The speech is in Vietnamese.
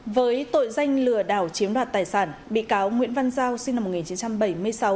với tội danh lừa đảo chiếm đoạt tài sản bị cáo nguyễn văn giao sinh năm một nghìn chín trăm bảy mươi sáu